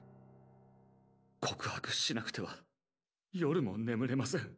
告白しなくては夜も眠れません！